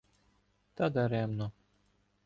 Та даремно.